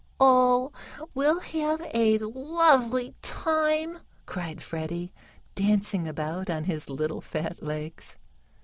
"Oh, we'll have a lovely time!" cried Freddie, dancing about on his little fat legs.